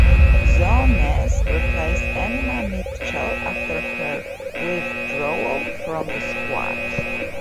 Zoe Ness replaced Emma Mitchell after her withdrawal from the squad.